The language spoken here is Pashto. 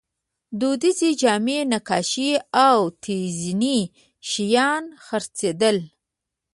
دودیزې جامې، نقاشۍ او تزییني شیان خرڅېدل.